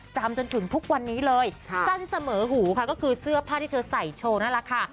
จนถึงทุกวันนี้เลยสั้นเสมอหูค่ะก็คือเสื้อผ้าที่เธอใส่โชว์นั่นแหละค่ะ